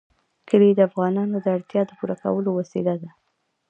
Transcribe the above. کلي د افغانانو د اړتیاوو د پوره کولو وسیله ده.